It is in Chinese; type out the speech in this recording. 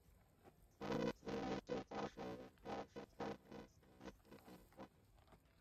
同时籍贯为浙江省余姚市的她亦能听懂余姚话。